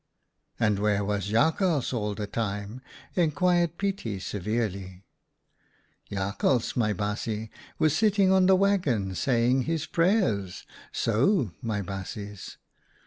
" And where was Jakhals all the time ?" enquired Pietie, severely. " Jakhals, my baasje, was sitting on the waggon saying his prayers — so, my baasjes."